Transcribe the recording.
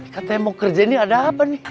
katanya mau kerja ini ada apa nih